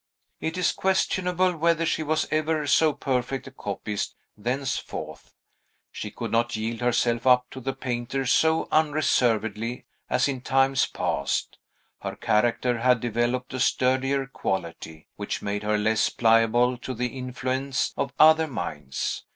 It is questionable whether she was ever so perfect a copyist thenceforth. She could not yield herself up to the painter so unreservedly as in times past; her character had developed a sturdier quality, which made her less pliable to the influence of other minds.